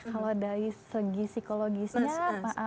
kalau dari segi psikologisnya